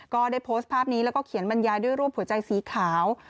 ก็ได้โพสต์ภาพนี้แล้วก็เขียนบรรยายด้วยรูปหัวใจสีขาว